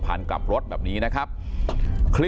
ตอนนี้ก็เปลี่ยนแหละ